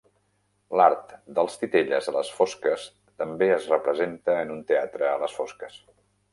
L'art dels titelles a les fosques també es representa en un teatre a les fosques.